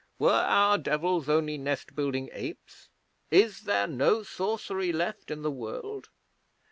Were our Devils only nest building apes? Is there no sorcery left in the world?'